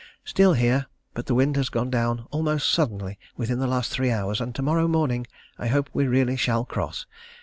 Still here; but the wind has gone down almost suddenly within the last three hours, and to morrow morning I hope we really shall cross.